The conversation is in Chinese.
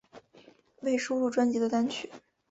未收录专辑的单曲